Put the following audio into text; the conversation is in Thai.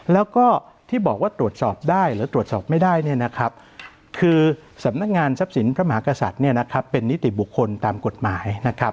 แล้วก็ที่บอกว่าตรวจสอบได้หรือตรวจสอบไม่ได้เนี่ยนะครับคือสำนักงานทรัพย์สินพระมหากษัตริย์เป็นนิติบุคคลตามกฎหมายนะครับ